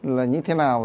là như thế nào